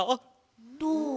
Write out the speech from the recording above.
どう？